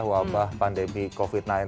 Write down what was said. wabah pandemi covid sembilan belas